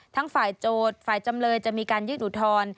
ฝ่ายโจทย์ฝ่ายจำเลยจะมีการยื่นอุทธรณ์